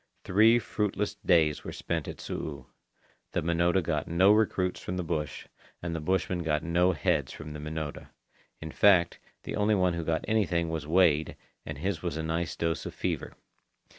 Three fruitless days were spent at Su'u. The Minota got no recruits from the bush, and the bushmen got no heads from the Minota. In fact, the only one who got anything was Wada, and his was a nice dose of fever.